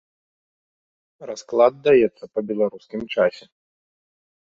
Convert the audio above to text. Расклад даецца па беларускім часе.